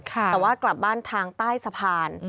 แต่ว่ากลับบ้านทางใต้สะพาน